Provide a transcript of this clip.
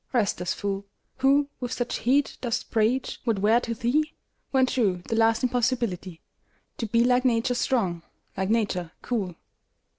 Restless fool, Who with such heat dost preach what were to thee, When true, the last impossibility To be like Nature strong, like Nature cool!